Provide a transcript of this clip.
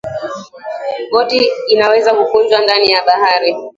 boti inaweza kukunjwa ndani ya bahari